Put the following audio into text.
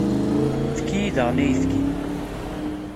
Efk-iyi daɣen ayefki.